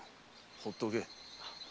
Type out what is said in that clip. ほっとけ。